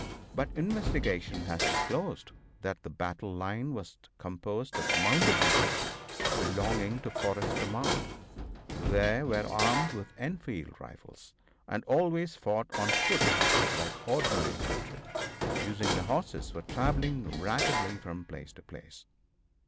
But investigation has disclosed that the battle line was composed of mounted infantry belonging to Forrest's command. They were armed with Enfield rifles, and always fought on foot like ordinary infantry, using their horses for traveling rapidly from place to place.